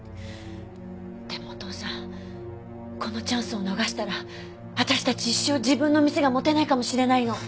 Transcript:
でもお父さんこのチャンスを逃したら私たち一生自分の店が持てないかもしれないの。